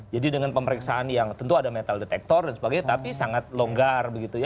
jadi dengan pemeriksaan yang tentu ada metal detektor dan sebagainya tapi sangat longgar begitu ya